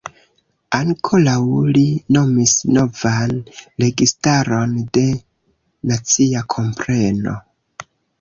Ankoraŭ li nomis novan registaron de „nacia kompreno“.